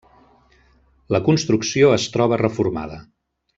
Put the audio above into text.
La construcció es troba reformada.